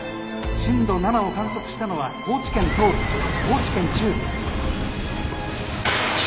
震度７を観測したのは高知県東部高知県中部」。